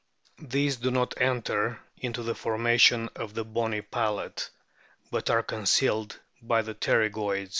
These do not enter into the formation of the bony palate, but are concealed by the pterygoids.